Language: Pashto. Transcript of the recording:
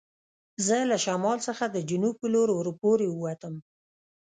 زه له شمال څخه د جنوب په لور ور پورې و وتم.